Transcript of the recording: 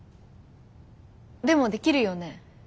でもできるよね？